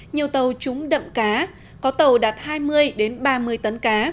nhiều tàu trúng đậm cá có tàu đạt hai mươi ba mươi tấn cá